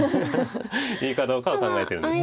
いいかどうかを考えてるんです。